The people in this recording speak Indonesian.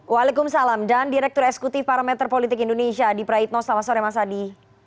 waalaikumsalam dan direktur esekutif parameter politik indonesia adi praitno selamat sore mas adi